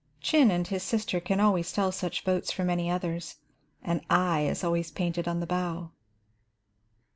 Chin and his sister can always tell such boats from any others. An eye is always painted on the bow.